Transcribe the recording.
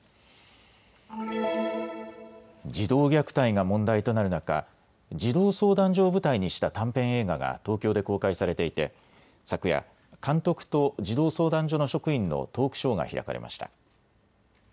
児童虐待が問題となる中、児童相談所を舞台にした短編映画が東京で公開されていて昨夜、監督と児童相談所の職員のトークショーが開かれました。